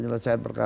otak jeice yuk ya